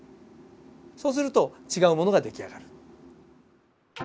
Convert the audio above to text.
そうすると違うものが出来上がる。